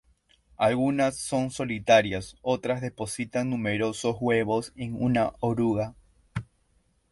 Algunas son solitarias, otras depositan numerosos huevos en una oruga.